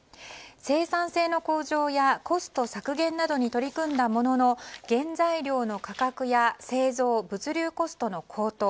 生産性の向上やコスト削減に取り組んだものの原材料の価格や製造・物流コストの高騰